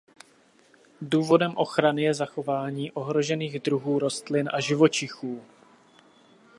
Důvodem ochrany je zachování ohrožených druhů rostlin a živočichů.